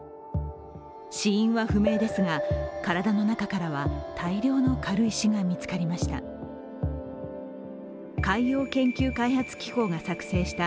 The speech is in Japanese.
死因は不明ですが、体の中からは大量の軽石が見つかりました。